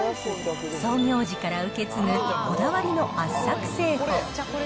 創業時から受け継ぐ、こだわりの圧搾製法。